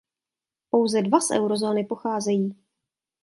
Pouze dva z eurozóny pocházejí.